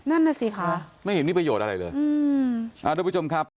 นั่นน่ะสิคะไม่เห็นมีประโยชน์อะไรเลยอืมอ่าทุกผู้ชมครับ